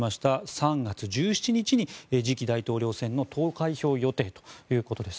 ３月１７日に次期大統領選の投開票予定ということです。